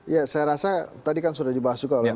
ya saya rasa tadi kan sudah dibahas juga oleh